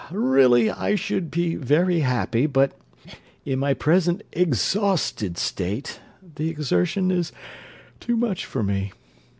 Really I should be very happy; but, in my present exhausted state, the exertion is too much for me.